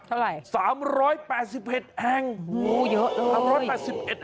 เท่าไหร่๓๘๑แห่งโอ้โหเยอะเลย